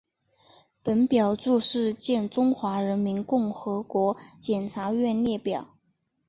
本表注释见中华人民共和国检察院列表。